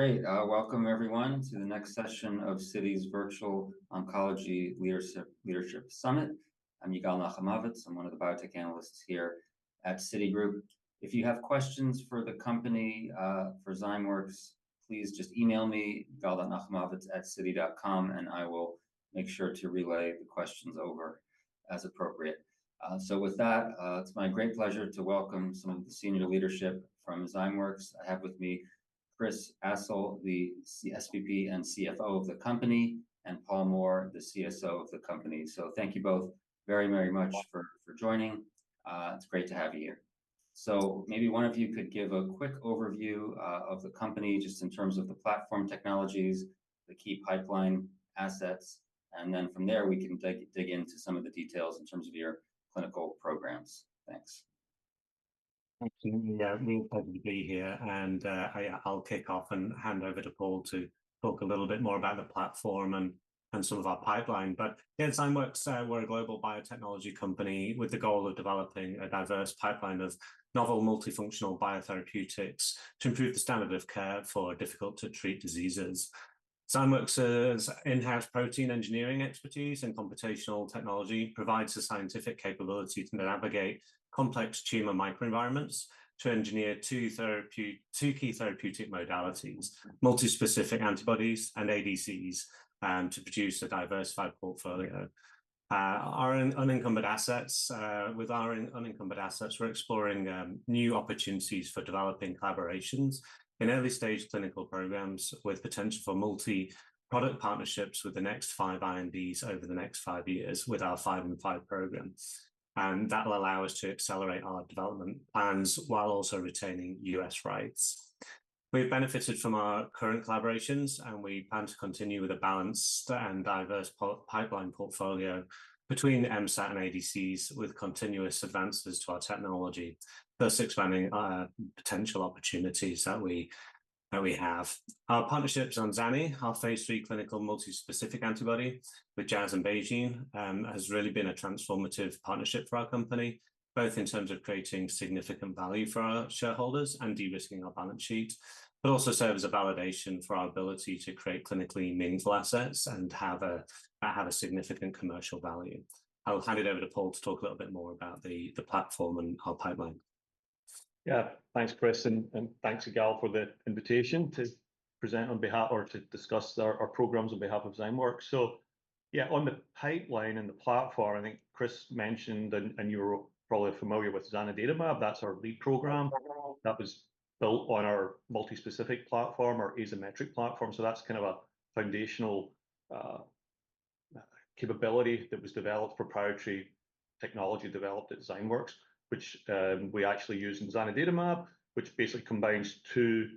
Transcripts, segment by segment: Great, welcome everyone to the next session of Citi's Virtual Oncology Leadership Summit. I'm Yigal Nochomovitz, I'm one of the biotech analysts here at Citi. If you have questions for the company, for Zymeworks, please just email me, yigal.nochomovitz@citi.com, and I will make sure to relay the questions over as appropriate. So with that, it's my great pleasure to welcome some of the senior leadership from Zymeworks. I have with me Chris Astle, the SVP and CFO of the company, and Paul Moore, the CSO of the company. So thank you both very, very much for, for joining. It's great to have you here. So maybe one of you could give a quick overview, of the company just in terms of the platform technologies, the key pipeline assets, and then from there we can dig, dig into some of the details in terms of your clinical programs. Thanks. Thank you, Yigal. A real pleasure to be here, and I'll kick off and hand over to Paul to talk a little bit more about the platform and some of our pipeline. But yeah, Zymeworks, we're a global biotechnology company with the goal of developing a diverse pipeline of novel multifunctional biotherapeutics to improve the standard of care for difficult-to-treat diseases. Zymeworks' in-house protein engineering expertise in computational technology provides the scientific capability to navigate complex tumor microenvironments to engineer two key therapeutic modalities, multispecific antibodies, and ADCs, to produce a diversified portfolio. With our unencumbered assets, we're exploring new opportunities for developing collaborations in early-stage clinical programs with potential for multi-product partnerships with the next five INDs over the next five years with our 5 by 5 program. That'll allow us to accelerate our development plans while also retaining U.S. rights. We've benefited from our current collaborations, and we plan to continue with a balanced and diverse pipeline portfolio between the MSAT and ADCs with continuous advances to our technology, thus expanding potential opportunities that we have. Our partnerships on zani, our phase III clinical multispecific antibody with Jazz and BeiGene, has really been a transformative partnership for our company, both in terms of creating significant value for our shareholders and de-risking our balance sheet, but also serves as a validation for our ability to create clinically meaningful assets and have a significant commercial value. I'll hand it over to Paul to talk a little bit more about the platform and our pipeline. Yeah, thanks, Chris, and thanks, Yigal, for the invitation to present on behalf of or to discuss our programs on behalf of Zymeworks. So yeah, on the pipeline and the platform, I think Chris mentioned and you were probably familiar with zanidatamab. That's our lead program that was built on our multispecific platform or asymmetric platform. So that's kind of a foundational capability that was developed proprietary technology developed at Zymeworks, which we actually use in zanidatamab, which basically combines two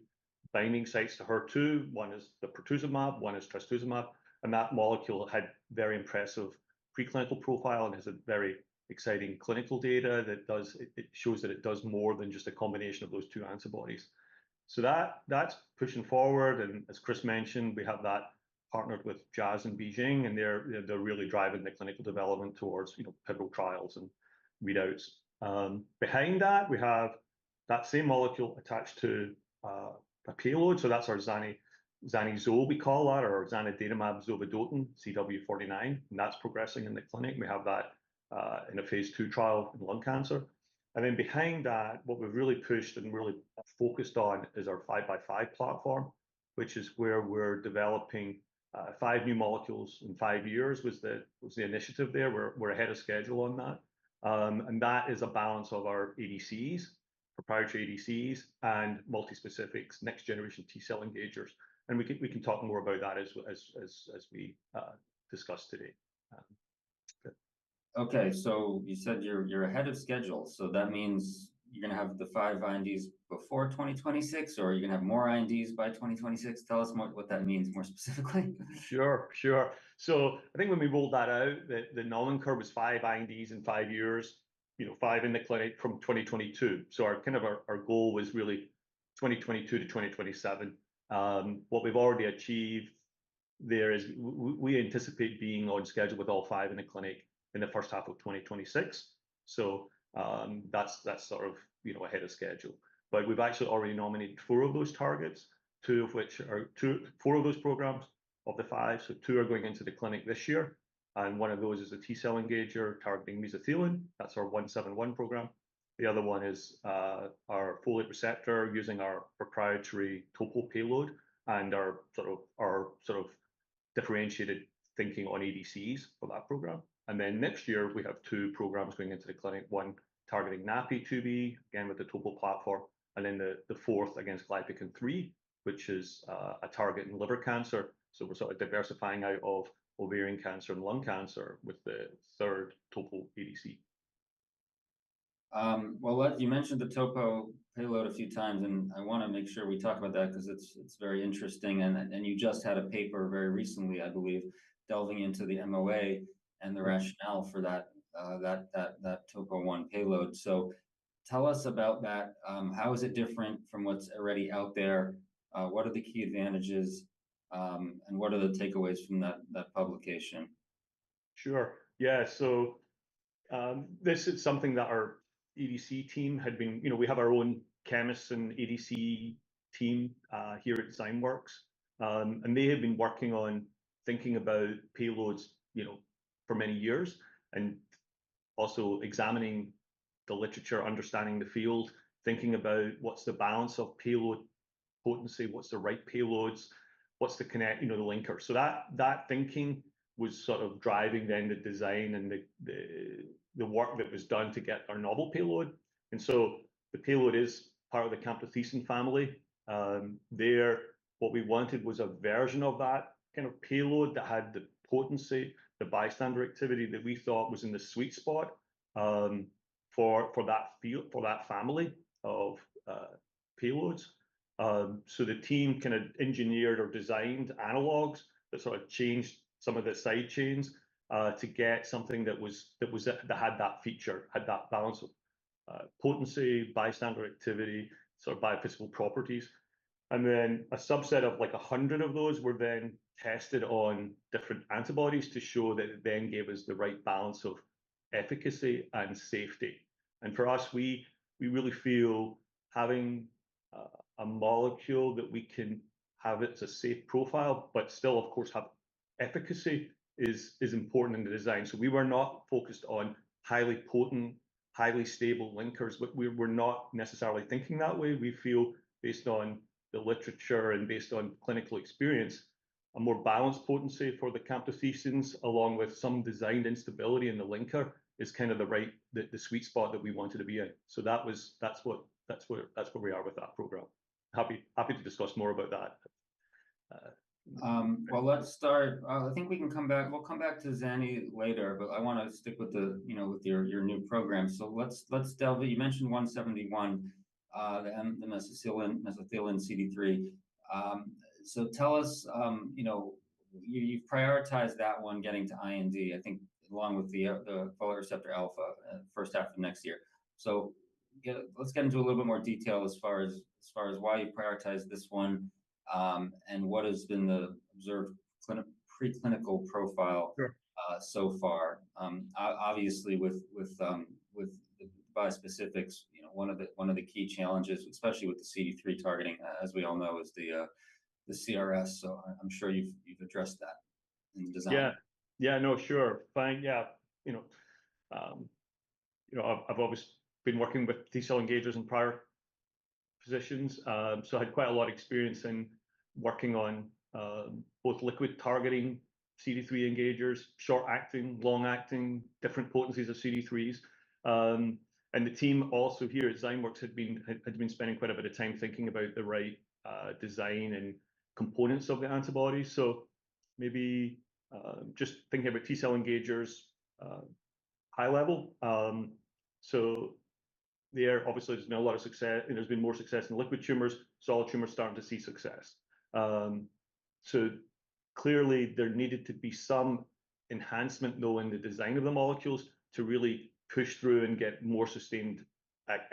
binding sites to HER2. One is the pertusumab, one is trastuzumab. And that molecule had very impressive preclinical profile and has very exciting clinical data that does it, it shows that it does more than just a combination of those two antibodies. So that, that's pushing forward. As Chris mentioned, we have that partnered with Jazz and BeiGene, and they're really driving the clinical development towards, you know, pivotal trials and readouts. Behind that, we have that same molecule attached to a payload. So that's our zani zo, we call that, or zanidatamab zovodotin ZW49. And that's progressing in the clinic. And we have that in a phase II trial in lung cancer. And then behind that, what we've really pushed and really focused on is our 5 by 5 platform, which is where we're developing five new molecules in five years was the initiative there. We're ahead of schedule on that. And that is a balance of our ADCs, proprietary ADCs, and multispecifics next-generation T-cell engagers. And we can talk more about that as we discuss today. Good. Okay. So you said you're ahead of schedule. So that means you're gonna have the five INDs before 2026, or you're gonna have more INDs by 2026? Tell us more, what that means more specifically. Sure, sure. So I think when we rolled that out, the [5 by 5] was five INDs in five years, you know, five in the clinic from 2022. So our kind of goal was really 2022 to 2027. What we've already achieved there is we anticipate being on schedule with all five in the clinic in the first half of 2026. So that's sort of, you know, ahead of schedule. But we've actually already nominated four of those targets, two of which are two, four of those programs of the five. So two are going into the clinic this year. And one of those is a T-cell engager targeting mesothelin. That's our 171 program. The other one is our folate receptor using our proprietary TOPO payload and our sort of differentiated thinking on ADCs for that program. And then next year, we have two programs going into the clinic, one targeting NaPi2b, again with the TOPO platform, and then the fourth against Glypican-3, which is a target in liver cancer. So we're sort of diversifying out of ovarian cancer and lung cancer with the third TOPO ADC. Well, you mentioned the TOPO payload a few times, and I wanna make sure we talk about that 'cause it's very interesting. And you just had a paper very recently, I believe, delving into the MOA and the rationale for that TOPO1 payload. So tell us about that. How is it different from what's already out there? What are the key advantages, and what are the takeaways from that publication? Sure. Yeah. So, this is something that our ADC team had been you know, we have our own chemists and ADC team, here at Zymeworks. And they had been working on thinking about payloads, you know, for many years and also examining the literature, understanding the field, thinking about what's the balance of payload potency, what's the right payloads, what's the connect you know, the linker. So that, that thinking was sort of driving then the design and the, the, the work that was done to get our novel payload. And so the payload is part of the Camptothecin family. There, what we wanted was a version of that kind of payload that had the potency, the bystander activity that we thought was in the sweet spot, for, for that field for that family of, payloads. The team kind of engineered or designed analogs that sort of changed some of the side chains, to get something that had that feature, had that balance of potency, bystander activity, sort of biophysical properties. And then a subset of like 100 of those were then tested on different antibodies to show that it then gave us the right balance of efficacy and safety. And for us, we really feel having a molecule that we can have it's a safe profile, but still, of course, have efficacy is important in the design. So we were not focused on highly potent, highly stable linkers, but we were not necessarily thinking that way. We feel, based on the literature and based on clinical experience, a more balanced potency for the Camptothecins, along with some designed instability in the linker, is kind of the right, the sweet spot that we wanted to be in. So that's what that's where we are with that program. Happy to discuss more about that. Well, let's start. I think we can come back; we'll come back to zani later, but I wanna stick with the, you know, with your, your new program. So let's, let's delve in. You mentioned 171, the mesothelin CD3. So tell us, you know, you've prioritized that one getting to IND, I think, along with the, the folate receptor alpha first half of next year. So let's get into a little bit more detail as far as why you prioritized this one, and what has been the observed preclinical profile. Sure. So far. Obviously, with the bispecifics, you know, one of the key challenges, especially with the CD3 targeting, as we all know, is the CRS. So I'm sure you've addressed that in the design. Yeah. No, sure. Fine. Yeah. You know, I've always been working with T-cell engagers in prior positions. So I had quite a lot of experience in working on both liquid targeting CD3 engagers, short-acting, long-acting, different potencies of CD3s. And the team also here at Zymeworks had been spending quite a bit of time thinking about the right design and components of the antibodies. So maybe, just thinking about T-cell engagers, high level. So there, obviously, there's been a lot of success and there's been more success in liquid tumors. Solid tumors starting to see success. So clearly, there needed to be some enhancement, though, in the design of the molecules to really push through and get more sustained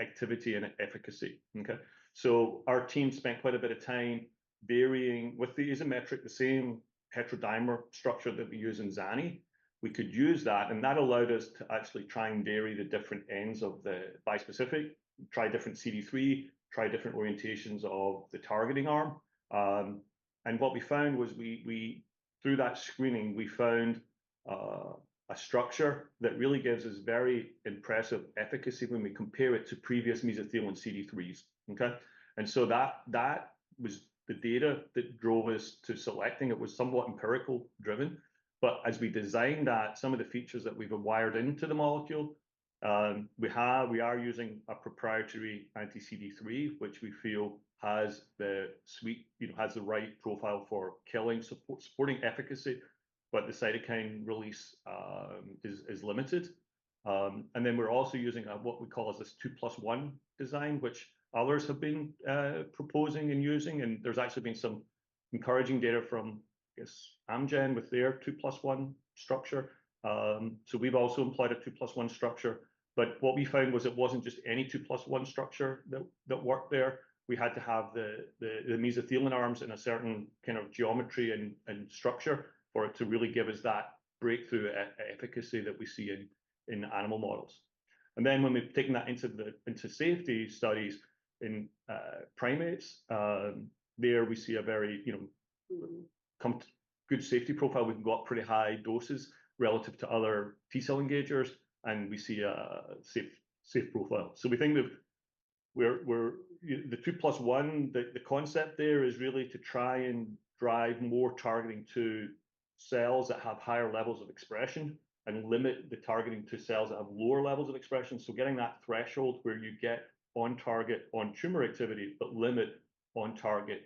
activity and efficacy. Okay? So our team spent quite a bit of time varying with the Azymetric, the same heterodimer structure that we use in zani. We could use that, and that allowed us to actually try and vary the different ends of the bispecific, try different CD3, try different orientations of the targeting arm. And what we found was we through that screening, we found a structure that really gives us very impressive efficacy when we compare it to previous mesothelin CD3s. Okay? And so that, that was the data that drove us to selecting. It was somewhat empirical-driven. But as we designed that, some of the features that we've wired into the molecule, we are using a proprietary anti-CD3, which we feel has the sweet you know, has the right profile for killing supporting efficacy, but the cytokine release is limited. And then we're also using what we call this 2+1 design, which others have been proposing and using. And there's actually been some encouraging data from, I guess, Amgen with their 2+1 structure. So we've also employed a 2+1 structure. But what we found was it wasn't just any 2+1 structure that worked there. We had to have the mesothelin arms in a certain kind of geometry and structure for it to really give us that breakthrough efficacy that we see in animal models. And then when we've taken that into safety studies in primates, there we see a very, you know, good safety profile. We've got pretty high doses relative to other T-cell engagers, and we see a safe profile. So we think we're, you know, the 2+1, the concept there is really to try and drive more targeting to cells that have higher levels of expression and limit the targeting to cells that have lower levels of expression. So getting that threshold where you get on target on tumor activity, but limit on target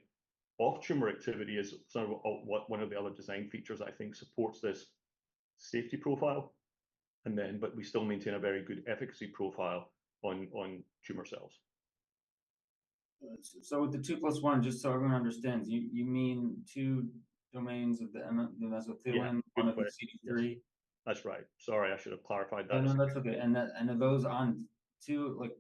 off-tumor activity is sort of what one of the other design features, I think, supports this safety profile. But we still maintain a very good efficacy profile on tumor cells. So with the 2+1, just so everyone understands, you mean two domains of the mesothelin, one of the CD3. That's right. Sorry, I should have clarified that. No, no, that's okay. And are those on two, like,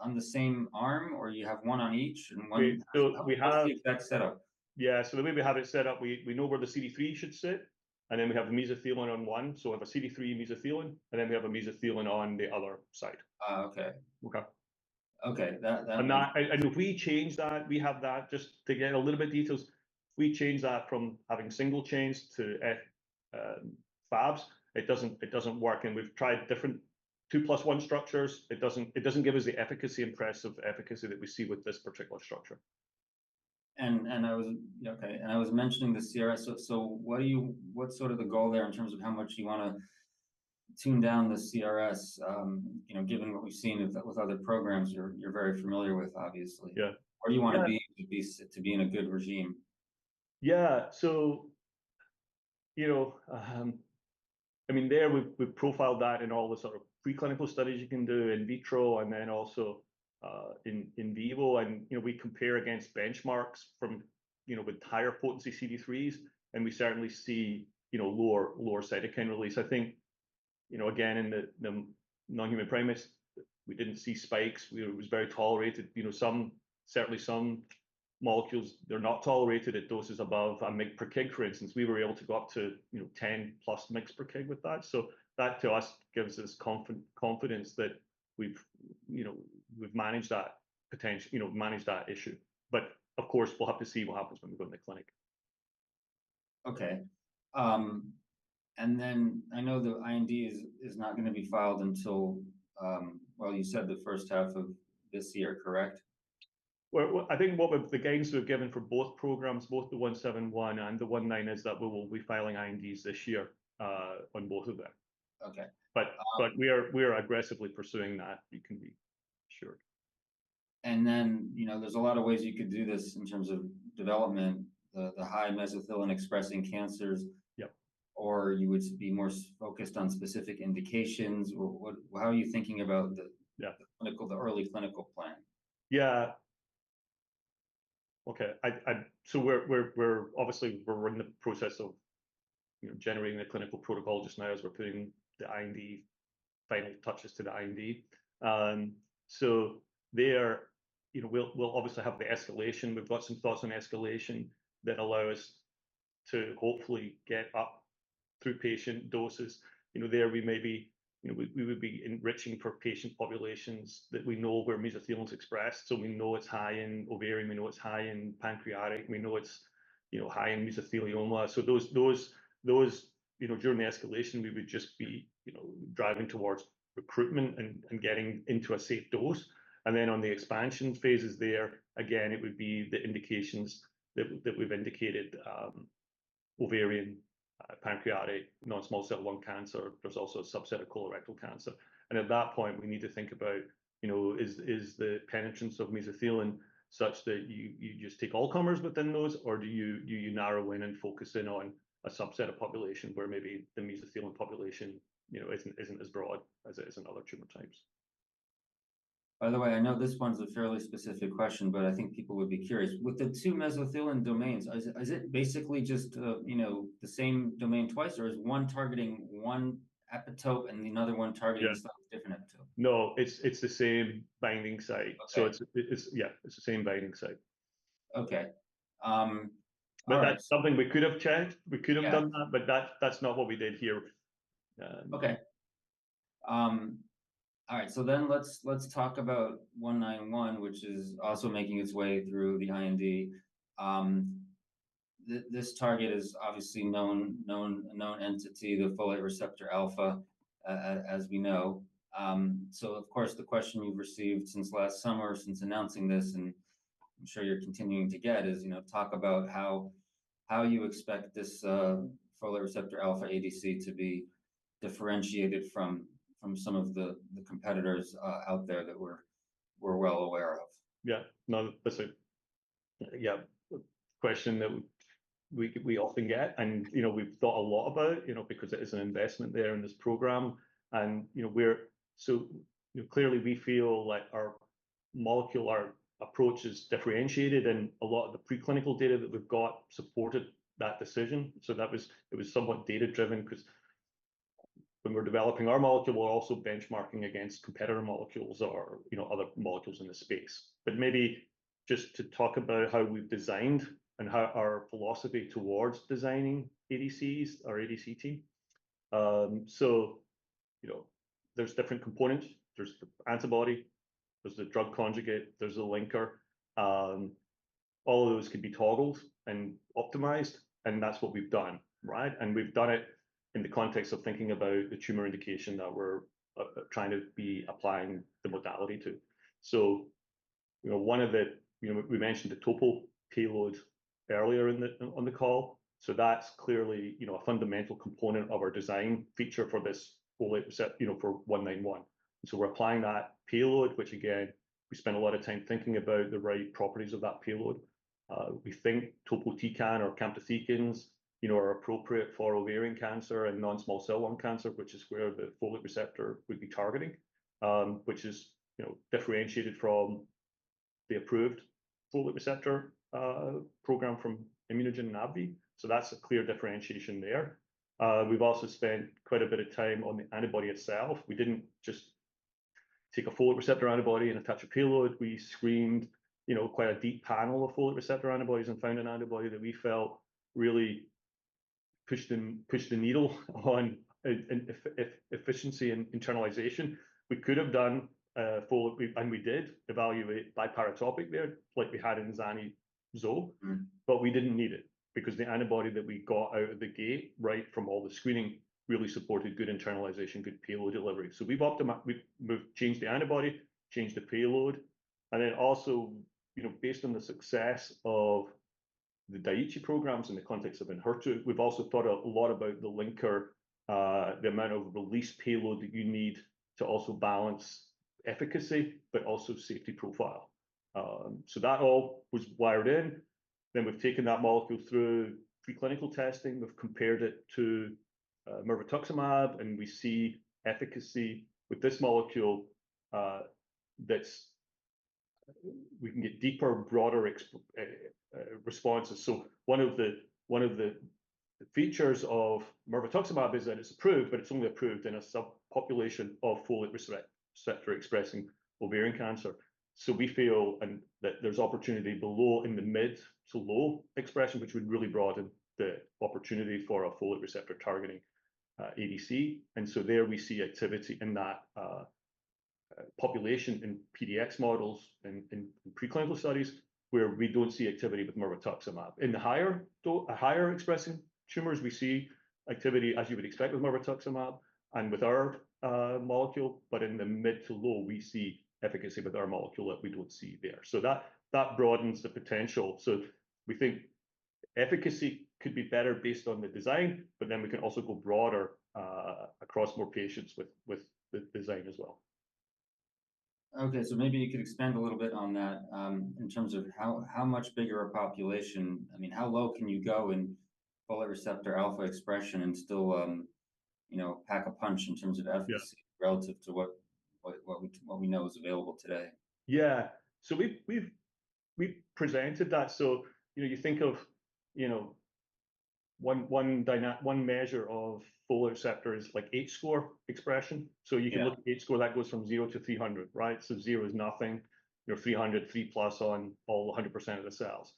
on the same arm, or you have one on each and one? We still have. How do you think that's set up? Yeah. So the way we have it set up, we know where the CD3 should sit, and then we have the Mesothelin on one. So we have a CD3 Mesothelin, and then we have a Mesothelin on the other side. Okay. Okay. If we change that from having single chains to Fabs, it doesn't work. And we've tried different 2+1 structures. It doesn't give us the impressive efficacy that we see with this particular structure. Okay. And I was mentioning the CRS. So, what are you, what's sort of the goal there in terms of how much you wanna tune down the CRS, you know, given what we've seen with other programs you're very familiar with, obviously? Yeah. Where do you wanna be in a good regime? Yeah. So, you know, I mean, there, we've profiled that in all the sort of preclinical studies you can do in vitro and then also in vivo. And, you know, we compare against benchmarks from, you know, with higher potency CD3s, and we certainly see, you know, lower cytokine release. I think, you know, again, in the non-human primates, we didn't see spikes. It was very tolerated. You know, some certainly some molecules, they're not tolerated at doses above a mg per kg, for instance. We were able to go up to, you know, 10+ mg per kg with that. So that, to us, gives us confidence that we've, you know, we've managed that potential you know, managed that issue. But, of course, we'll have to see what happens when we go in the clinic. Okay. And then I know the IND is not gonna be filed until, well, you said the first half of this year, correct? Well, I think the guidance we've given for both programs, both the 171 and the 191, is that we will be filing INDs this year, on both of them. Okay. But we are aggressively pursuing that. You can be assured. And then, you know, there's a lot of ways you could do this in terms of development, the high mesothelin-expressing cancers. Yep. Or you would be more focused on specific indications. Or what, how are you thinking about the clinical, the early clinical plan? Yeah. Okay. So we're obviously in the process of, you know, generating the clinical protocol just now as we're putting the IND final touches to the IND. So there, you know, we'll obviously have the escalation. We've got some thoughts on escalation that allow us to hopefully get up through patient doses. You know, there, we may be, you know, we would be enriching for patient populations that we know where mesothelin's expressed. So we know it's high in ovarian. We know it's high in pancreatic. We know it's, you know, high in mesothelioma. So those, you know, during the escalation, we would just be, you know, driving towards recruitment and getting into a safe dose. And then on the expansion phases there, again, it would be the indications that we've indicated, ovarian, pancreatic, non-small cell lung cancer. There's also a subset of colorectal cancer. At that point, we need to think about, you know, is the penetrance of mesothelin such that you just take all comers within those, or do you narrow in and focus in on a subset of population where maybe the mesothelin population, you know, isn't as broad as it is in other tumor types? By the way, I know this one's a fairly specific question, but I think people would be curious. With the two mesothelin domains, is it basically just, you know, the same domain twice, or is one targeting one epitope and the other one targeting some different epitope? No. It's the same binding site. So it's yeah. It's the same binding site. Okay. but— But that's something we could have checked. We could have done that, but that's, that's not what we did here. Yeah. Okay. All right. So then let's talk about 191, which is also making its way through the IND. This target is obviously known, a known entity, the folate receptor alpha, as we know. So, of course, the question you've received since last summer, since announcing this, and I'm sure you're continuing to get, is, you know, talk about how you expect this folate receptor alpha ADC to be differentiated from some of the competitors out there that we're well aware of. Yeah. No, that's it. Yeah. Question that we often get. And, you know, we've thought a lot about it, you know, because it is an investment there in this program. And, you know, we're so, you know, clearly, we feel like our molecular approach is differentiated in a lot of the preclinical data that we've got supported that decision. So that was, it was somewhat data-driven 'cause when we're developing our molecule, we're also benchmarking against competitor molecules or, you know, other molecules in the space. But maybe just to talk about how we've designed and how our philosophy towards designing ADCs, our ADC team. So, you know, there's different components. There's the antibody. There's the drug conjugate. There's the linker. All of those can be toggled and optimized. And that's what we've done, right? And we've done it in the context of thinking about the tumor indication that we're trying to be applying the modality to. So, you know, one of the, you know, we mentioned the TOPO payload earlier in the call. So that's clearly, you know, a fundamental component of our design feature for this folate receptor, you know, for 191. And so we're applying that payload, which, again, we spent a lot of time thinking about the right properties of that payload. We think topotecan or camptothecans, you know, are appropriate for ovarian cancer and non-small cell lung cancer, which is where the folate receptor would be targeting, which is, you know, differentiated from the approved folate receptor program from ImmunoGen and AbbVie. So that's a clear differentiation there. We've also spent quite a bit of time on the antibody itself. We didn't just take a folate receptor antibody and attach a payload. We screened, you know, quite a deep panel of folate receptor antibodies and found an antibody that we felt really pushed the needle on in, in efficiency and internalization. We could have done folate, and we did evaluate biparatopic there like we had in zani zo, but we didn't need it because the antibody that we got out of the gate right from all the screening really supported good internalization, good payload delivery. So we've optimized. We've changed the antibody, changed the payload. And then also, you know, based on the success of the Daiichi programs in the context of Enhertu, we've also thought a lot about the linker, the amount of release payload that you need to also balance efficacy but also safety profile, so that all was wired in. Then we've taken that molecule through preclinical testing. We've compared it to mirvetuximab soravtansine, and we see efficacy with this molecule, that we can get deeper, broader exponential responses. So one of the features of mirvetuximab soravtansine is that it's approved, but it's only approved in a subpopulation of folate receptor-expressing ovarian cancer. So we feel that there's opportunity below in the mid- to low-expression, which would really broaden the opportunity for a folate receptor-targeting ADC. And so there, we see activity in that population in PDX models and preclinical studies where we don't see activity with mirvetuximab. In the higher expressing tumors, we see activity, as you would expect, with mirvetuximab and with our molecule. But in the mid- to low, we see efficacy with our molecule that we don't see there. So that broadens the potential. We think efficacy could be better based on the design, but then we can also go broader, across more patients with the design as well. Okay. So maybe you could expand a little bit on that, in terms of how much bigger a population, I mean, how low can you go in folate receptor alpha expression and still, you know, pack a punch in terms of efficacy relative to what we know is available today? Yeah. So we've presented that. So, you know, you think of, you know, one common measure of folate receptor is like H-score expression. So you can look at H-score. That goes from 0 to 300, right? So 0 is nothing. You're 300, 3+ on all 100% of the cells.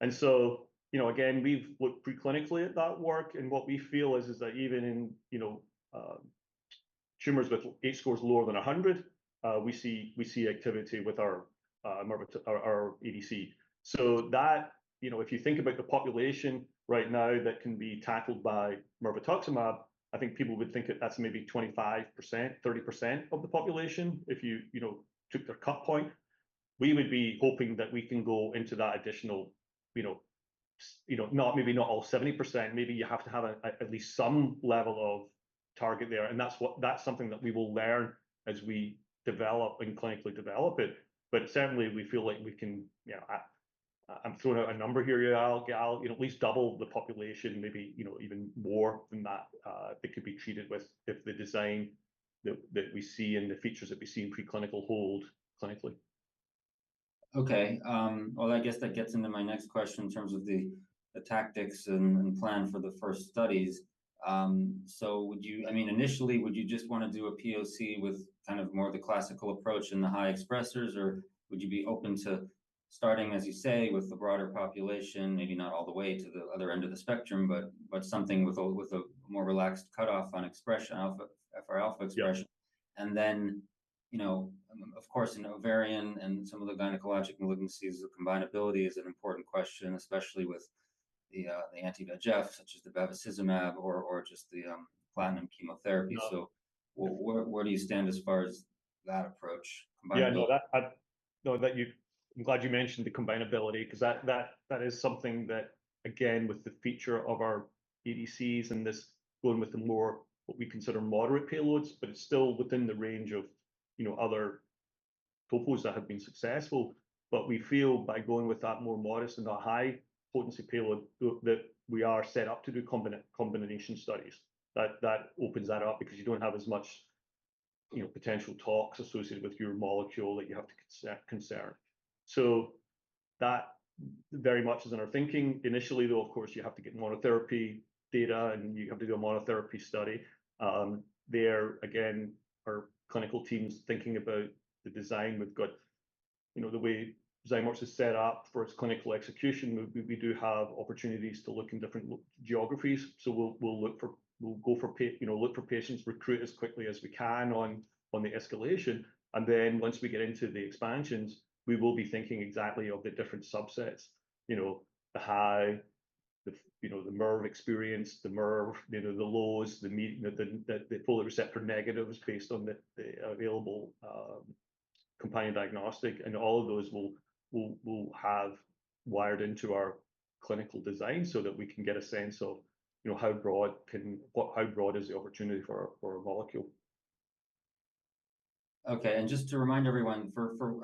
And so, you know, again, we've looked preclinically at that work. And what we feel is that even in, you know, tumors with H-scores lower than 100, we see activity with our ADC. So that, you know, if you think about the population right now that can be tackled by mirvetuximab, I think people would think that that's maybe 25%, 30% of the population if you, you know, took their cut point. We would be hoping that we can go into that additional, you know, you know, not maybe not all 70%. Maybe you have to have at least some level of target there. And that's what something that we will learn as we develop and clinically develop it. But certainly, we feel like we can, you know. I'm throwing out a number here. I'll, you know, at least double the population, maybe, you know, even more than that, that could be treated with if the design that we see and the features that we see in preclinical hold clinically. Okay. Well, I guess that gets into my next question in terms of the tactics and plan for the first studies. So would you, I mean, initially, would you just wanna do a POC with kind of more of the classical approach in the high expressors, or would you be open to starting, as you say, with the broader population, maybe not all the way to the other end of the spectrum, but something with a more relaxed cutoff on FRα expression? And then, you know, of course, in ovarian and some of the gynecologic malignancies, the combinability is an important question, especially with the, the anti-VEGF such as the bevacizumab or, or just the, platinum chemotherapy. So where, where do you stand as far as that approach, combinability? Yeah. No, I'm glad you mentioned the combinability 'cause that is something that, again, with the feature of our ADCs and this going with the more what we consider moderate payloads, but it's still within the range of, you know, other TOPOs that have been successful. But we feel by going with that more modest and that high potency payload that we are set up to do combination studies, that opens that up because you don't have as much, you know, potential tox associated with your molecule that you have to concern. So that very much is in our thinking. Initially, though, of course, you have to get monotherapy data, and you have to do a monotherapy study. There, again, our clinical team's thinking about the design. We've got, you know, the way Zymeworks is set up for its clinical execution. We do have opportunities to look in different geographies. So we'll look for, you know, patients, recruit as quickly as we can on the escalation. And then once we get into the expansions, we will be thinking exactly of the different subsets, you know, the high, the mirvetuximab experience, the mirv, you know, the lows, the medium, the folate receptor negatives based on the available companion diagnostic. And all of those will have wired into our clinical design so that we can get a sense of, you know, how broad is the opportunity for our molecule? Okay. And just to remind everyone,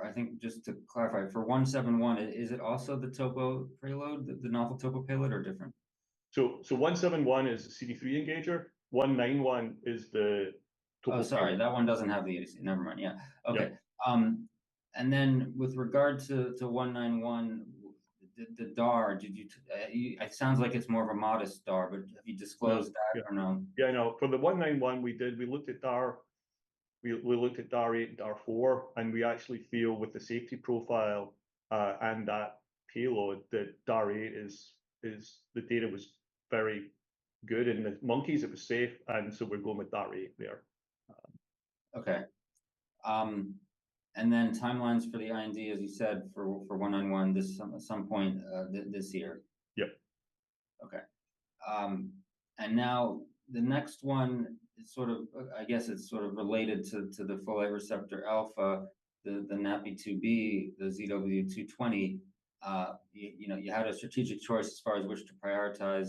I think just to clarify, for 171, is it also the TOPO payload, the novel TOPO payload, or different? So, 171 is the CD3 engager. 191 is the TOPO payload. Oh, sorry. That one doesn't have the ADC. Never mind. Yeah. Okay. And then with regard to 191, the DAR, did you? It sounds like it's more of a modest DAR, but have you disclosed that or no? Yeah. Yeah. No, for the 191, we did. We looked at DAR. We looked at DAR 8, DAR 4. And we actually feel with the safety profile, and that payload, that DAR 8 is the data was very good in the monkeys. It was safe. And so we're going with DAR 8 there. Okay. And then timelines for the IND, as you said, for 191, this summer at some point, this year? Yeah. Okay. And now the next one is sort of, I guess it's sort of related to the folate receptor alpha, the NaPi2b, the ZW220. You know, you had a strategic choice as far as which to prioritize.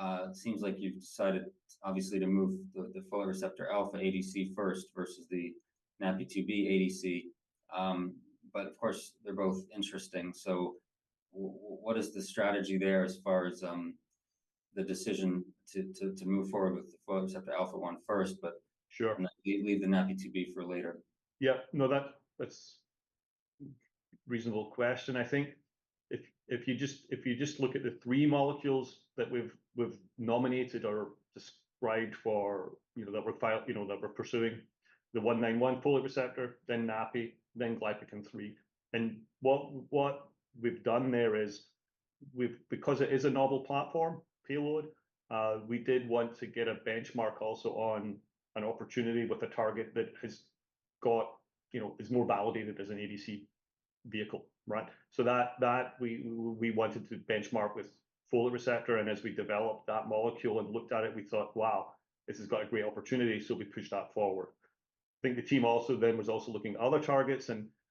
It seems like you've decided, obviously, to move the folate receptor alpha ADC first versus the NaPi2b ADC. But of course, they're both interesting. So what is the strategy there as far as the decision to move forward with the folate receptor alpha one first, but. Sure. And then leave the NaPi2b for later? Yeah. No, that's a reasonable question. I think if you just look at the three molecules that we've nominated or described for, you know, that we're filing, you know, that we're pursuing, the 191 folate receptor, then NaPi2b, then Glypican-3. And what we've done there is we've because it is a novel platform payload, we did want to get a benchmark also on an opportunity with a target that has got, you know, is more validated as an ADC vehicle, right? So that we wanted to benchmark with folate receptor. And as we developed that molecule and looked at it, we thought, "Wow, this has got a great opportunity." So we pushed that forward. I think the team also then was also looking at other targets.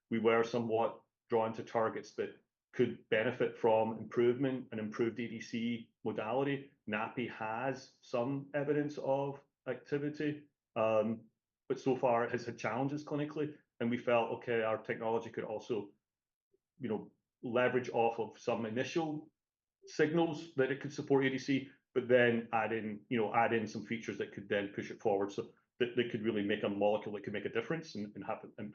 We were somewhat drawn to targets that could benefit from improvement and improved ADC modality. NaPi2b has some evidence of activity, but so far, it has had challenges clinically. And we felt, "Okay, our technology could also, you know, leverage off of some initial signals that it could support ADC, but then add in, you know, add in some features that could then push it forward so that they could really make a molecule that could make a difference and, and have an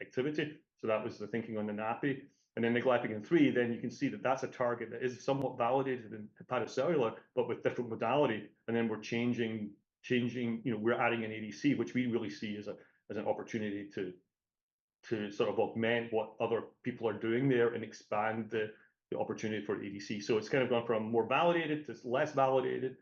activity." So that was the thinking on the NaPi2b. And then the Glypican-3, then you can see that that's a target that is somewhat validated in hepatocellular but with different modality. And then we're changing you know, we're adding an ADC, which we really see as an opportunity to sort of augment what other people are doing there and expand the opportunity for ADC. So it's kind of gone from more validated to less validated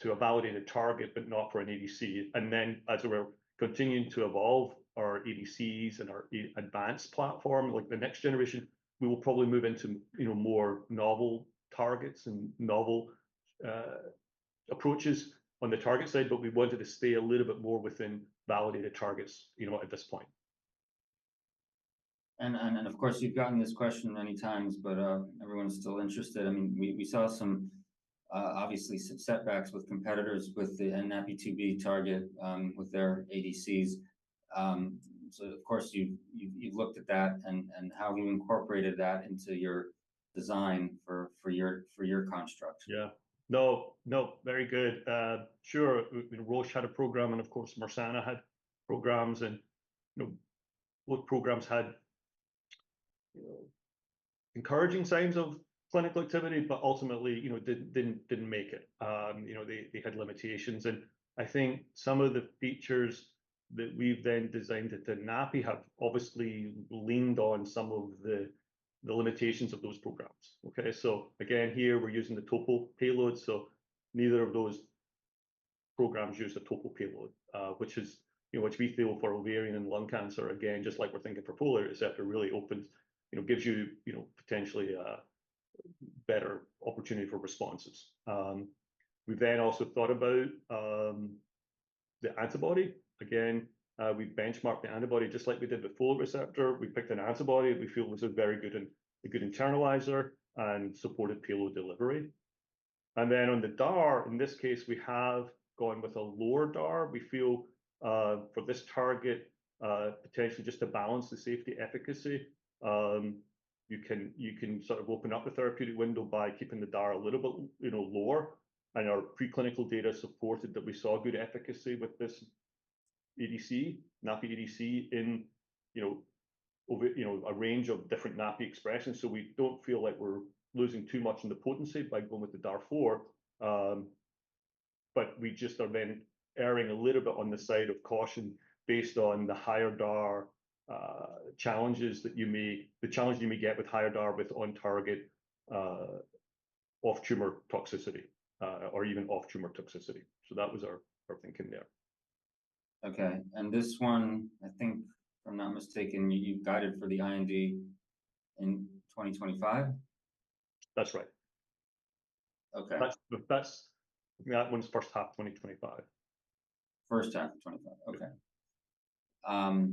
to a validated target but not for an ADC. And then as we're continuing to evolve our ADCs and our advanced platform, like the next generation, we will probably move into you know, more novel targets and novel approaches on the target side. But we wanted to stay a little bit more within validated targets you know, at this point. And of course, you've gotten this question many times, but everyone's still interested. I mean, we saw some, obviously, some setbacks with competitors with the NaPi2b target, with their ADCs. So of course, you've looked at that and how have you incorporated that into your design for your construct? Yeah. No, no, very good. Sure. I mean, Roche had a program, and of course, Mersana had programs. And, you know, both programs had, you know, encouraging signs of clinical activity, but ultimately, you know, didn't, didn't, didn't make it. You know, they, they had limitations. And I think some of the features that we've then designed at the NaPi2b have obviously leaned on some of the, the limitations of those programs, okay? So again, here, we're using the topo payload. So neither of those programs use the topo payload, which is, you know, which we feel for ovarian and lung cancer, again, just like we're thinking for folate, except it really opens, you know, gives you, you know, potentially a better opportunity for responses. We've then also thought about the antibody. Again, we benchmarked the antibody just like we did with folate receptor. We picked an antibody that we feel was a very good and a good internalizer and supported payload delivery. And then on the DAR, in this case, we have gone with a lower DAR. We feel, for this target, potentially just to balance the safety efficacy, you can you can sort of open up a therapeutic window by keeping the DAR a little bit, you know, lower. And our preclinical data supported that we saw good efficacy with this ADC, NaPi2b ADC, in, you know, over, you know, a range of different NaPi2b expressions. So we don't feel like we're losing too much in the potency by going with the DAR 4. But we just are then erring a little bit on the side of caution based on the higher DAR, challenges that you may get with higher DAR with on-target, off-tumor toxicity, or even off-tumor toxicity. So that was our thinking there. Okay. And this one, I think, if I'm not mistaken, you guided for the IND in 2025? That's right. Okay. That's, I think, that one's first half 2025. First half of 2025. Okay.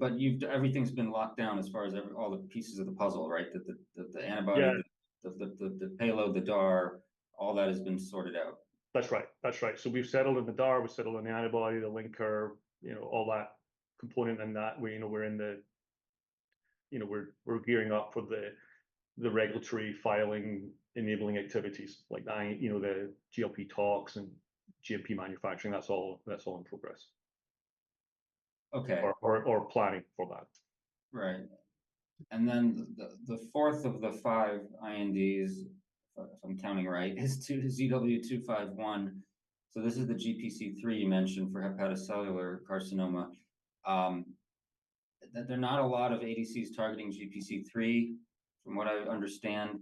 But you've everything's been locked down as far as every all the pieces of the puzzle, right, that the antibody. Yeah. The payload, the DAR, all that has been sorted out? That's right. That's right. So we've settled on the DAR. We've settled on the antibody, the linker, you know, all that component. And that we, you know, we're in the, you know, we're gearing up for the regulatory filing, enabling activities like the, you know, the GLP tox and GMP manufacturing. That's all, that's all in progress. Okay. Or planning for that. Right. And then the fourth of the five INDs, if I'm counting right, is to ZW251. So this is the GPC3 you mentioned for hepatocellular carcinoma. There are not a lot of ADCs targeting GPC3, from what I understand.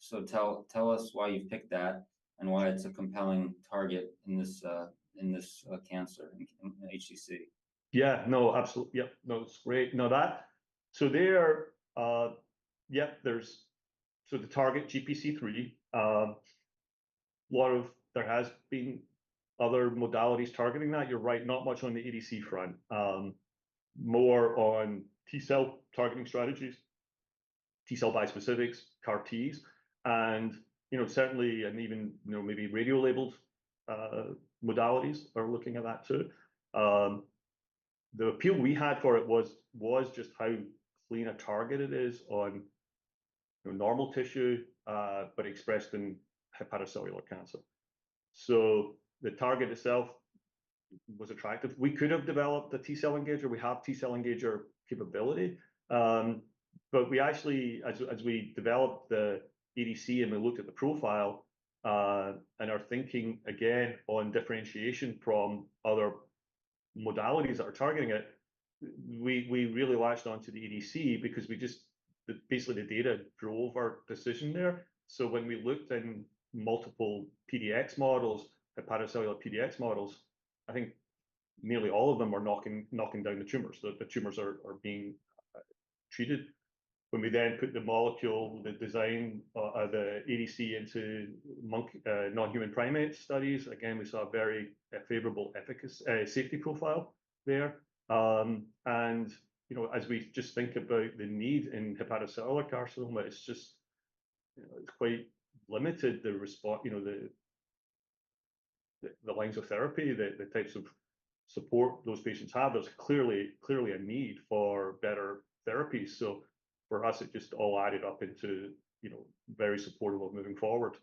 So tell us why you've picked that and why it's a compelling target in this cancer in HCC. Yeah. No, absolutely. Yep. No, it's great. No, that so there, yep, there's so the target, GPC3. A lot of there has been other modalities targeting that. You're right. Not much on the ADC front. More on T-cell targeting strategies, T-cell bispecifics, CAR-Ts. And, you know, certainly and even, you know, maybe radiolabeled, modalities are looking at that too. The appeal we had for it was, was just how clean a target it is on, you know, normal tissue, but expressed in hepatocellular cancer. So the target itself was attractive. We could have developed the T-cell engager. We have T-cell engager capability. But we actually as, as we developed the ADC and we looked at the profile, and are thinking, again, on differentiation from other modalities that are targeting it, we, we really latched onto the ADC because we just the basically, the data drove our decision there. So when we looked in multiple PDX models, hepatocellular PDX models, I think nearly all of them are knocking down the tumors. The tumors are being treated. When we then put the molecule, the design, the ADC into monkey non-human primate studies, again, we saw a very favorable efficacy, safety profile there. And, you know, as we just think about the need in hepatocellular carcinoma, it's just, you know, it's quite limited, the response you know, the lines of therapy, the types of support those patients have. There's clearly a need for better therapies. So for us, it just all added up into, you know, very supportive of moving forward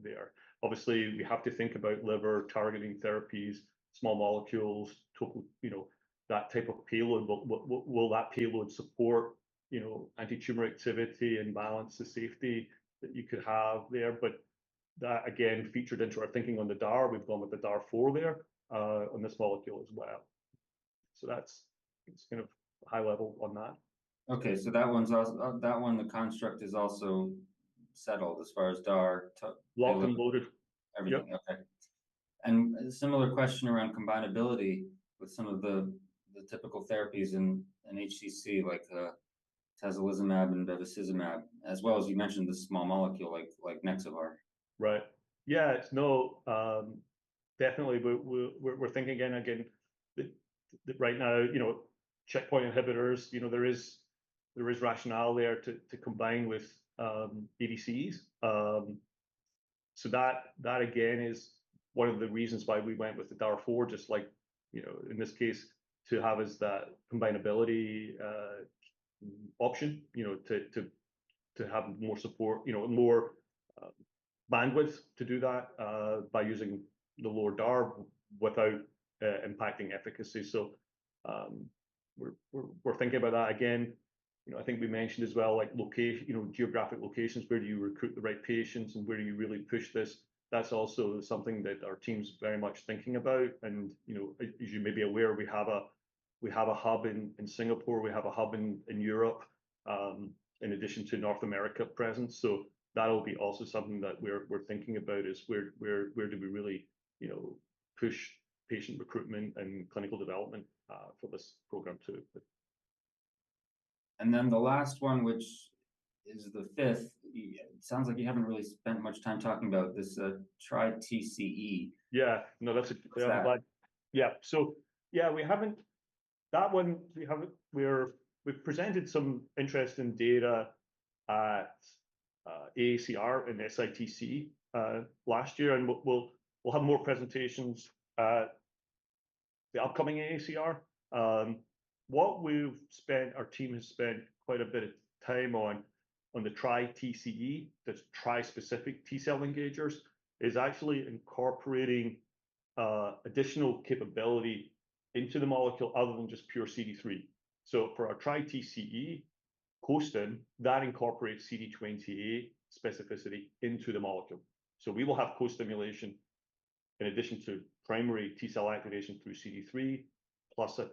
there. Obviously, we have to think about liver targeting therapies, small molecules, topo you know, that type of payload. But what will that payload support, you know, anti-tumor activity and balance the safety that you could have there? But that, again, featured into our thinking on the DAR. We've gone with the DAR 4 there, on this molecule as well. So that's, it's kind of high level on that. Okay. So that one's also that one, the construct is also settled as far as DAR, TOPO. Locked and loaded. Everything. Okay. And a similar question around compatibility with some of the typical therapies in HCC, like the atezolizumab and bevacizumab, as well as you mentioned the small molecule, like Nexavar. Right. Yeah. No, definitely. But we're thinking again and again that right now, you know, checkpoint inhibitors, you know, there is rationale there to combine with ADCs, so that again is one of the reasons why we went with the DAR 4, just like, you know, in this case, to have is that combinability option, you know, to have more support, you know, more bandwidth to do that, by using the lower DAR without impacting efficacy. So, we're thinking about that. Again, you know, I think we mentioned as well, like location, you know, geographic locations, where do you recruit the right patients, and where do you really push this? That's also something that our team's very much thinking about. And, you know, as you may be aware, we have a hub in Singapore. We have a hub in Europe, in addition to North America presence. So that'll be also something that we're thinking about is where do we really, you know, push patient recruitment and clinical development for this program too? And then the last one, which is the fifth, it sounds like you haven't really spent much time talking about this, TriTCE. Yeah. No, that's a yeah. So yeah, we have presented some interesting data at AACR and SITC last year. And we'll have more presentations at the upcoming AACR. What our team has spent quite a bit of time on, on the TriTCE, the tri-specific T-cell engagers, is actually incorporating additional capability into the molecule other than just pure CD3. So for our TriTCE Co-Stim, that incorporates CD28 specificity into the molecule. So we will have co-stimulation in addition to primary T-cell activation through CD3 plus a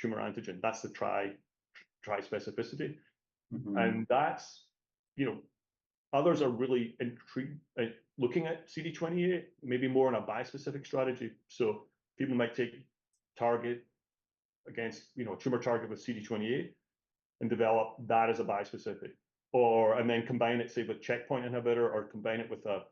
tumor antigen. That's the tri-specificity. And that's, you know, others are really intrigued at looking at CD28, maybe more in a bispecific strategy. So people might take target against, you know, tumor target with CD28 and develop that as a bispecific or and then combine it, say, with checkpoint inhibitor or combine it with a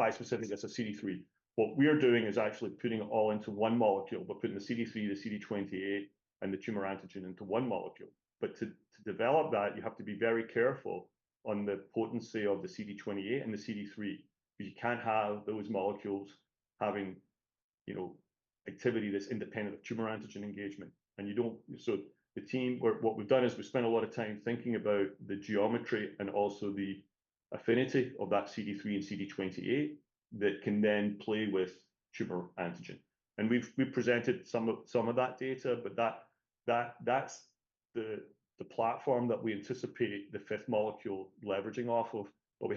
bispecific as a CD3. What we are doing is actually putting it all into one molecule by putting the CD3, the CD28, and the tumor antigen into one molecule. But to develop that, you have to be very careful on the potency of the CD28 and the CD3 because you can't have those molecules having, you know, activity that's independent of tumor antigen engagement. And you don't so the team what we've done is we've spent a lot of time thinking about the geometry and also the affinity of that CD3 and CD28 that can then play with tumor antigen. And we've presented some of that data. But that's the platform that we anticipate the fifth molecule leveraging off of. But we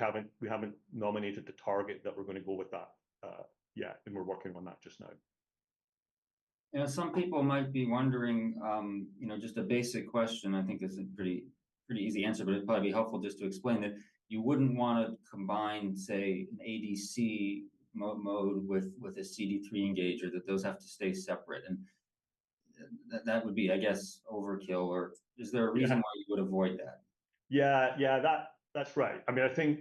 haven't nominated the target that we're going to go with that yet. And we're working on that just now. Some people might be wondering, you know, just a basic question. I think it's a pretty, pretty easy answer, but it'd probably be helpful just to explain that you wouldn't want to combine, say, an ADC mode with, with a CD3 engager, that those have to stay separate. That, that would be, I guess, overkill. Or is there a reason why you would avoid that? Yeah. Yeah, that's right. I mean, I think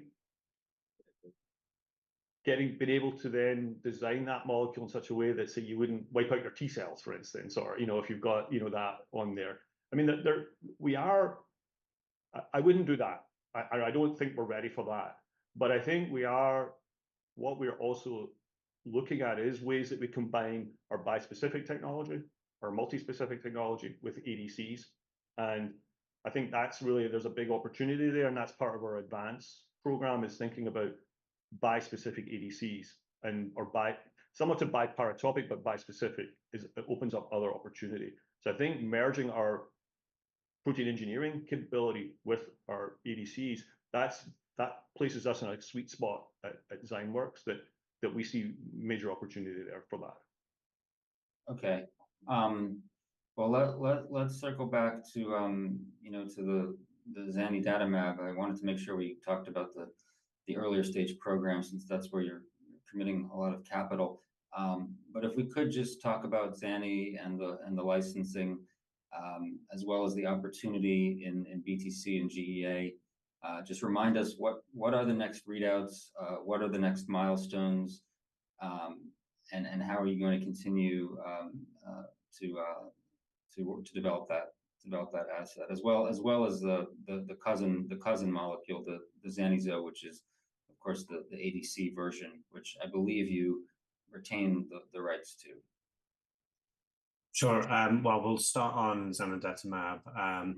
getting been able to then design that molecule in such a way that, say, you wouldn't wipe out your T-cells, for instance, or, you know, if you've got, you know, that on there. I mean, that there we are I wouldn't do that. I, I don't think we're ready for that. But I think what we're also looking at is ways that we combine our bispecific technology, our multispecific technology with ADCs. And I think that's really there's a big opportunity there. And that's part of our advance program is thinking about bispecific ADCs and or bi somewhat to biparatopic, but bispecific is it opens up other opportunity. So I think merging our protein engineering capability with our ADCs, that's that places us in a sweet spot at, at Zymeworks that, that we see major opportunity there for that. Okay. Well, let's circle back to, you know, to the zanidatamab. I wanted to make sure we talked about the earlier stage program since that's where you're committing a lot of capital. But if we could just talk about zani and the licensing, as well as the opportunity in BTC and GEA, just remind us what the next readouts are? What are the next milestones? And how are you going to continue to develop that asset as well as the cousin molecule, the zani zo, which is, of course, the ADC version, which I believe you retain the rights to. Sure. Well, we'll start on zanidatamab.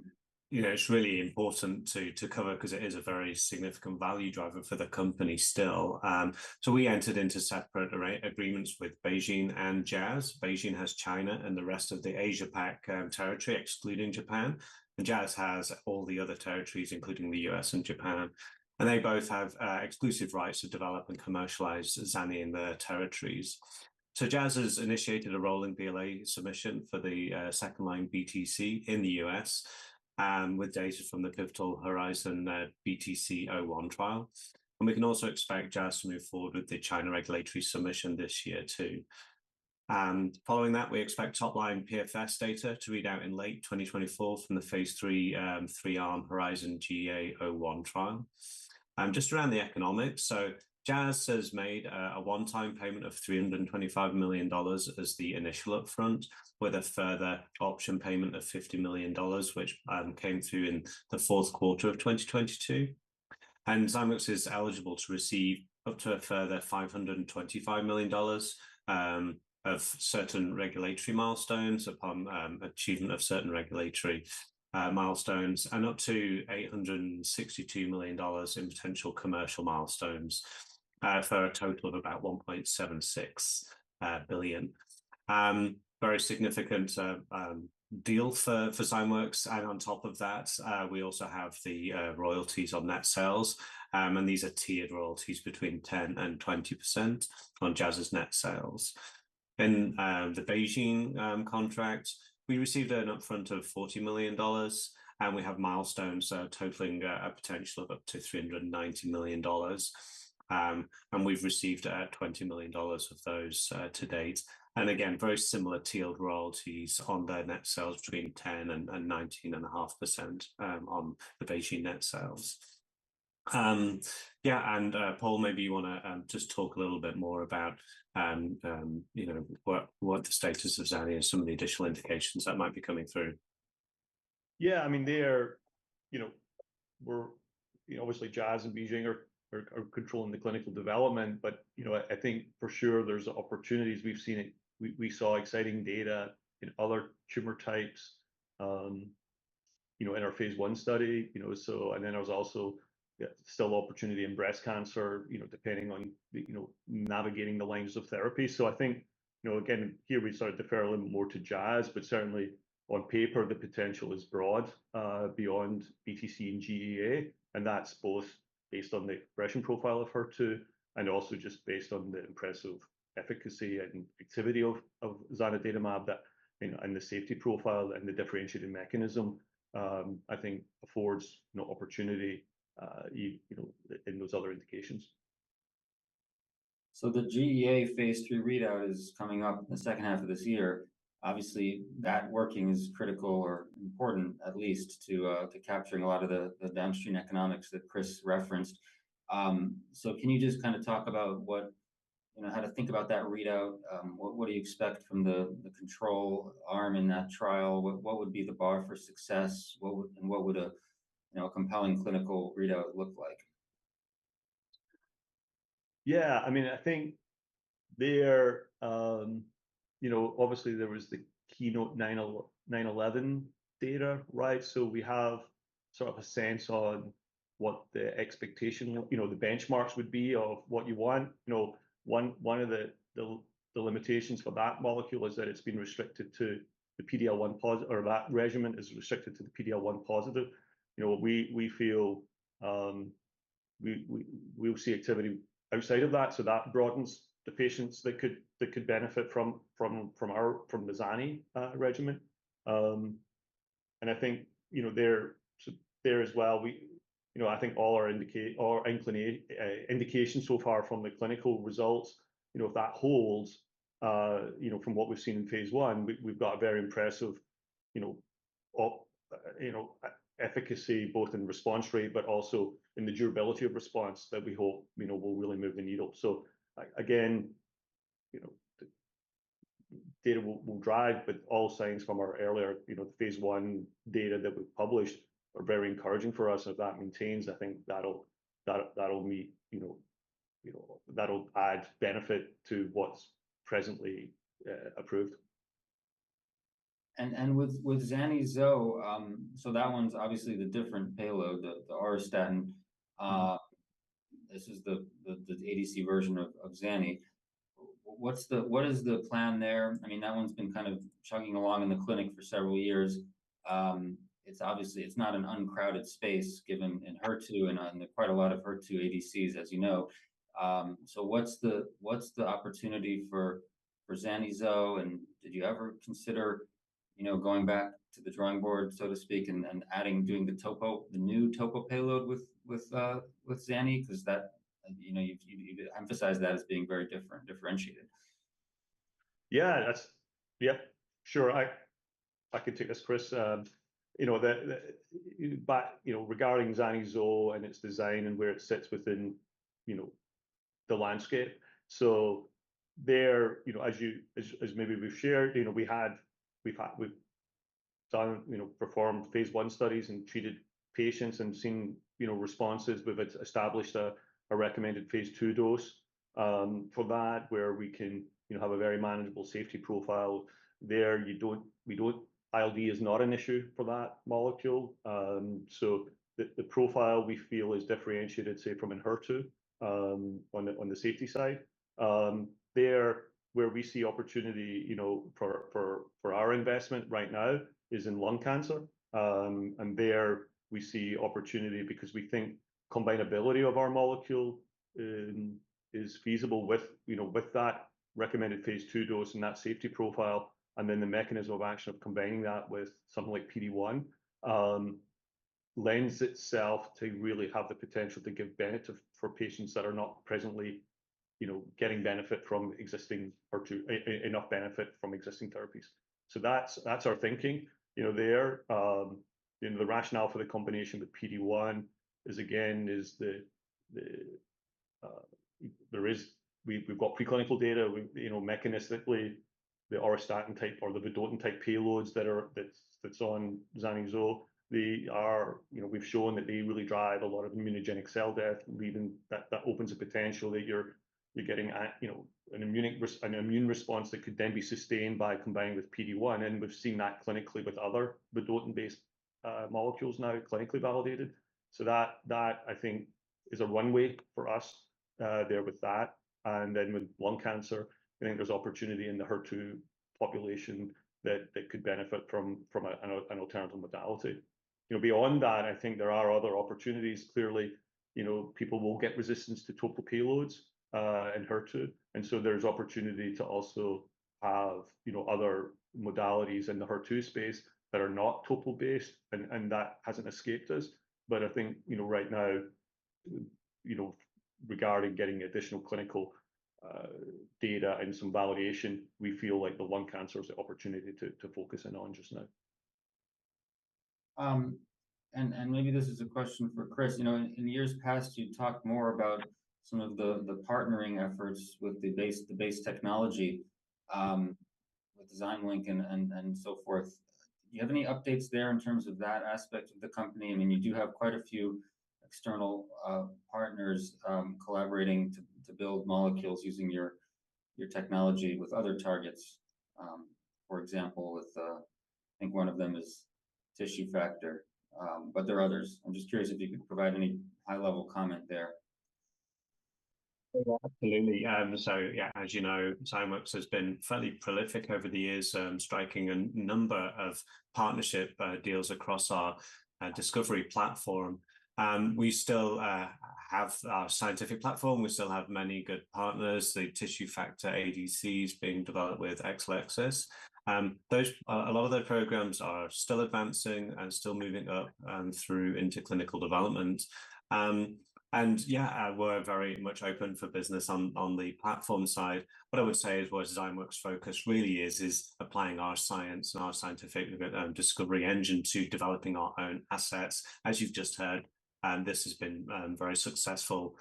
You know, it's really important to cover because it is a very significant value driver for the company still. So we entered into separate agreements with BeiGene and Jazz. BeiGene has China and the rest of the Asia-Pac territory, excluding Japan. And Jazz has all the other territories, including the U.S. and Japan. And they both have exclusive rights to develop and commercialize zani in their territories. So Jazz has initiated a rolling BLA submission for the second-line BTC in the U.S., with data from the pivotal HERIZON-BTC-01 trial. And we can also expect Jazz to move forward with the China regulatory submission this year too. Following that, we expect top-line PFS data to read out in late 2024 from the phase III, 3-arm HERIZON-GEA-01 trial. Just around the economics. So Jazz has made a one-time payment of $325 million as the initial upfront with a further option payment of $50 million, which came through in the fourth quarter of 2022. Zymeworks is eligible to receive up to a further $525 million of certain regulatory milestones upon achievement of certain regulatory milestones and up to $862 million in potential commercial milestones, for a total of about $1.76 billion. Very significant deal for Zymeworks. On top of that, we also have the royalties on net sales, and these are tiered royalties between 10% and 20% on Jazz's net sales. In the BeiGene contract, we received an upfront of $40 million. We have milestones totaling a potential of up to $390 million, and we've received $20 million of those to date. And again, very similar tiered royalties on their net sales between 10% and 19.5%, on the BeiGene net sales. Yeah. And, Paul, maybe you want to just talk a little bit more about, you know, what the status of zani and some of the additional indications that might be coming through. Yeah. I mean, there are, you know, we're, you know, obviously, Jazz and BeiGene are controlling the clinical development. But, you know, I think for sure there's opportunities. We've seen it. We saw exciting data in other tumor types, you know, in our phase I study, you know. So and then there's also still opportunity in breast cancer, you know, depending on, you know, navigating the lines of therapy. So I think, you know, again, here, we've started to defer a little bit more to Jazz. But certainly, on paper, the potential is broad, beyond BTC and GEA. And that's both based on the expression profile of HER2 and also just based on the impressive efficacy and activity of zanidatamab that, you know, and the safety profile and the differentiating mechanism, I think affords, you know, opportunity, you know, in those other indications. The GEA phase III readout is coming up in the second half of this year. Obviously, that working is critical or important, at least, to capturing a lot of the downstream economics that Chris referenced. Can you just kind of talk about what, you know, how to think about that readout? What, what do you expect from the control arm in that trial? What would be the bar for success? What would and what would a, you know, a compelling clinical readout look like? Yeah. I mean, I think they're, you know, obviously, there was the KEYNOTE-911 data, right? So we have sort of a sense on what the expectation, you know, the benchmarks would be of what you want. You know, one of the limitations for that molecule is that it's been restricted to the PD-L1 positive, or that regimen is restricted to the PD-L1 positive. You know, we, we, we'll see activity outside of that. So that broadens the patients that could benefit from our zani regimen. And I think, you know, they're so there as well. We, you know, I think all our indications so far from the clinical results, you know, if that holds, you know, from what we've seen in phase I, we've got a very impressive, you know, efficacy both in response rate but also in the durability of response that we hope, you know, will really move the needle. So again, you know, data will drive. But all signs from our earlier, you know, the phase I data that we've published are very encouraging for us. And if that maintains, I think that'll meet, you know, that'll add benefit to what's presently approved. And with zani zo, so that one's obviously the different payload, the Auristatin. This is the ADC version of zani. What's the plan there? I mean, that one's been kind of chugging along in the clinic for several years. It's obviously not an uncrowded space given, Enhertu and oncology, there are quite a lot of HER2 ADCs, as you know. So what's the opportunity for zani zo? And did you ever consider, you know, going back to the drawing board, so to speak, and adding the new TOPO payload with zani? Because that, you know, you've emphasized that as being very differentiated. Yeah, that's yeah, sure. I can take this, Chris. You know that but, you know, regarding zani zo and its design and where it sits within, you know, the landscape. So there, you know, as maybe we've shared, you know, we've performed phase I studies and treated patients and seen, you know, responses. We've established a recommended phase II dose for that where we can, you know, have a very manageable safety profile there. We don't, ILD is not an issue for that molecule. So the profile we feel is differentiated, say, from Enhertu on the safety side. There where we see opportunity, you know, for our investment right now is in lung cancer. there we see opportunity because we think combinability of our molecule is feasible with, you know, with that recommended phase II dose and that safety profile. And then the mechanism of action of combining that with something like PD-1 lends itself to really have the potential to give benefit for patients that are not presently, you know, getting benefit from existing HER2, enough benefit from existing therapies. So that's, that's our thinking, you know, there. you know, the rationale for the combination with PD-1 is, again, is the, the, there is we've got preclinical data. We, you know, mechanistically, the auristatin type or the vedotin type payloads that are, that's on zani zo, they are you know, we've shown that they really drive a lot of immunogenic cell death, leaving that opens a potential that you're getting at, you know, an immune response that could then be sustained by combining with PD-1. And we've seen that clinically with other vedotin-based molecules now clinically validated. So that, I think, is a runway for us, there with that. And then with lung cancer, I think there's opportunity in the HER2 population that could benefit from an alternative modality. You know, beyond that, I think there are other opportunities. Clearly, you know, people will get resistance to TOPO payloads Enhertu. And so there's opportunity to also have, you know, other modalities in the HER2 space that are not Topo-based. And that hasn't escaped us. But I think, you know, right now, you know, regarding getting additional clinical data and some validation, we feel like the lung cancer is the opportunity to focus in on just now. Maybe this is a question for Chris. You know, in the years past, you've talked more about some of the partnering efforts with the base technology, with ZymeLink and so forth. Do you have any updates there in terms of that aspect of the company? I mean, you do have quite a few external partners, collaborating to build molecules using your technology with other targets, for example, with the. I think one of them is Tissue Factor. But there are others. I'm just curious if you could provide any high-level comment there. Absolutely. So yeah, as you know, Zymeworks has been fairly prolific over the years, striking a number of partnership deals across our discovery platform. We still have our scientific platform. We still have many good partners. The Tissue Factor ADC is being developed with Exelixis. A lot of those programs are still advancing and still moving up through into clinical development. And yeah, we're very much open for business on the platform side. What I would say as well is Zymeworks' focus really is applying our science and our scientific discovery engine to developing our own assets. As you've just heard, this has been very successful.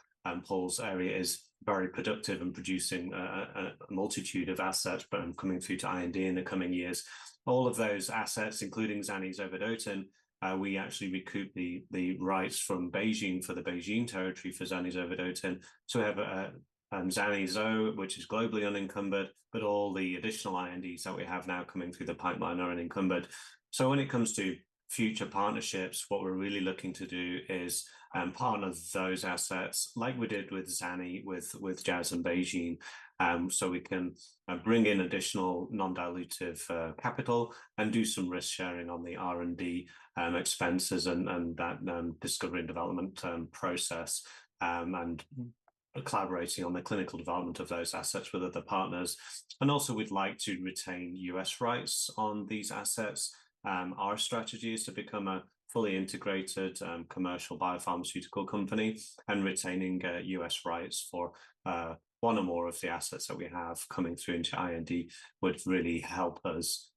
Paul's area is very productive and producing a multitude of assets. But I'm coming through to INDs in the coming years. All of those assets, including zani zovodotin, we actually recoup the rights from BeiGene for the BeiGene territory for zani zovodotin. So we have zani zo, which is globally unencumbered. But all the additional INDs that we have now coming through the pipeline are unencumbered. So when it comes to future partnerships, what we're really looking to do is partner those assets like we did with zani, with Jazz and BeiGene, so we can bring in additional non-dilutive capital and do some risk-sharing on the R&D expenses and that discovery and development process, and collaborating on the clinical development of those assets with other partners. And also, we'd like to retain U.S. rights on these assets. Our strategy is to become a fully integrated commercial biopharmaceutical company. Retaining U.S. rights for one or more of the assets that we have coming through into IND would really help us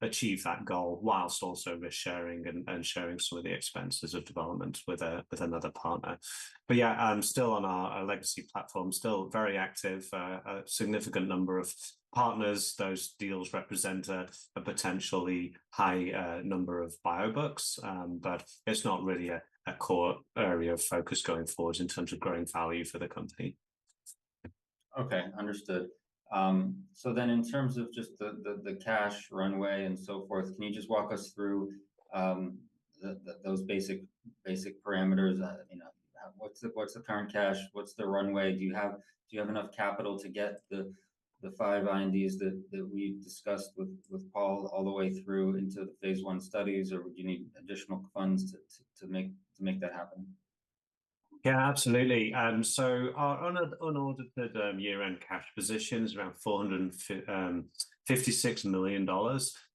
achieve that goal while also risk-sharing and sharing some of the expenses of development with another partner. But yeah, I'm still on our legacy platform, still very active, a significant number of partners. Those deals represent a potentially high number of biobucks, but it's not really a core area of focus going forward in terms of growing value for the company. Okay. Understood. So then in terms of just the cash runway and so forth, can you just walk us through those basic parameters? You know, what's the current cash? What's the runway? Do you have enough capital to get the five INDs that we've discussed with Paul all the way through into the phase I studies? Or would you need additional funds to make that happen? Yeah, absolutely. So our unaudited year-end cash position is around $456 million.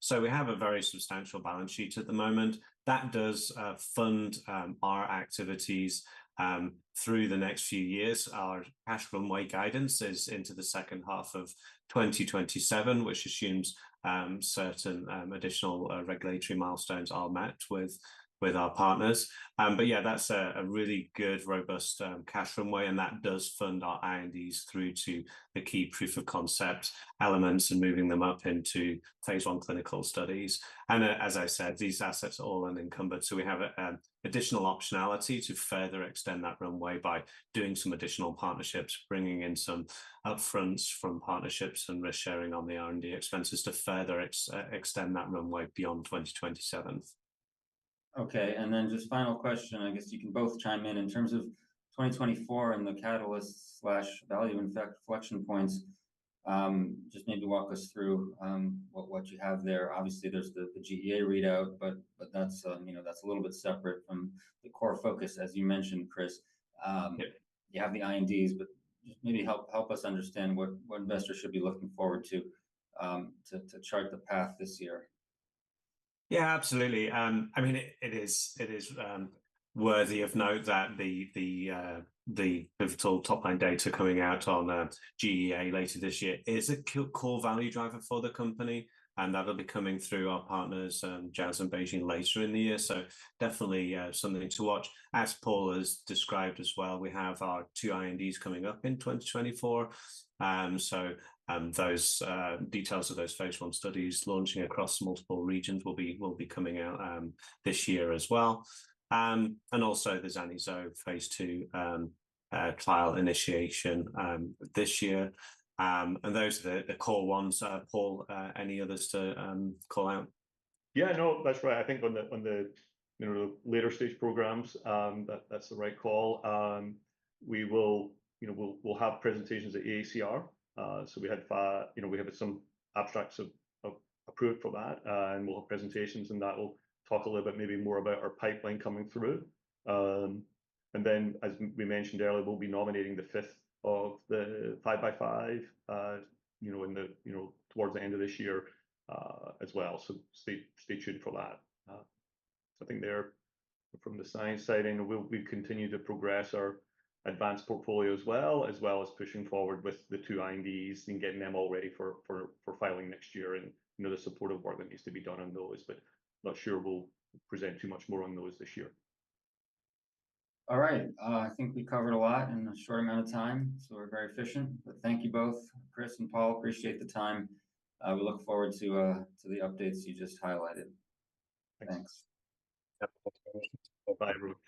So we have a very substantial balance sheet at the moment that does fund our activities through the next few years. Our cash runway guidance is into the second half of 2027, which assumes certain additional regulatory milestones are met with our partners. But yeah, that's a really good robust cash runway. And that does fund our INDs through to the key proof of concept elements and moving them up into phase I clinical studies. And as I said, these assets are all unencumbered. So we have additional optionality to further extend that runway by doing some additional partnerships, bringing in some upfront from partnerships and risk-sharing on the R&D expenses to further extend that runway beyond 2027. Okay. And then just final question. I guess you can both chime in. In terms of 2024 and the catalyst/value inflection points, just maybe walk us through what you have there. Obviously, there's the GEA readout. But that's, you know, that's a little bit separate from the core focus, as you mentioned, Chris. You have the INDs. But just maybe help us understand what investors should be looking forward to to chart the path this year. Yeah, absolutely. I mean, it is worthy of note that the pivotal top-line data coming out on GEA later this year is a core value driver for the company. That'll be coming through our partners, Jazz and BeiGene later in the year. So definitely something to watch. As Paul has described as well, we have our two INDs coming up in 2024. Those details of those phase I studies launching across multiple regions will be coming out this year as well. Also, the zanidatamab zovodotin phase II trial initiation this year. Those are the core ones. Paul, any others to call out? Yeah, no, that's right. I think on the, you know, the later stage programs, that's the right call. We will, you know, we'll have presentations at AACR. So we had, you know, we have some abstracts of approval for that. And we'll have presentations. And that will talk a little bit maybe more about our pipeline coming through. And then, as we mentioned earlier, we'll be nominating the fifth of the 5 by 5, you know, towards the end of this year, as well. So stay tuned for that. So I think they're from the science side, and we'll continue to progress our advanced portfolio as well as pushing forward with the two INDs and getting them all ready for filing next year and, you know, the supportive work that needs to be done on those. But not sure we'll present too much more on those this year. All right. I think we covered a lot in a short amount of time. So we're very efficient. But thank you both, Chris and Paul. Appreciate the time. We look forward to the updates you just highlighted. Thanks. Thanks. Yeah, that's my question. Bye-bye, everyone.